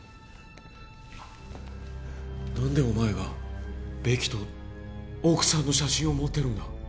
何でお前がベキと奥さんの写真を持ってるんだ？